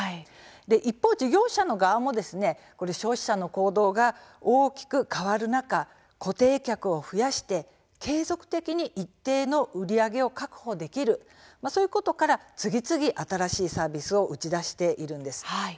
一方、事業者の側も消費者の行動が大きく変わる中固定客を増やして継続的に一定の売り上げを確保できるというところから次々、新しいサービスを打ち出しているんです。